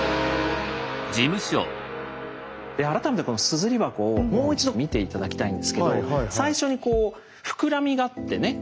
で改めてこの「硯箱」をもう一度見て頂きたいんですけど最初にこう「膨らみが」ってね言ってましたよね。